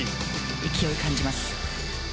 勢いを感じます。